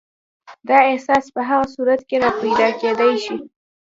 دا احساس په هغه صورت کې راپیدا کېدای شي.